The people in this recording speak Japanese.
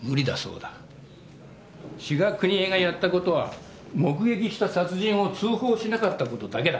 志賀邦枝がやった事は目撃した殺人を通報しなかった事だけだ。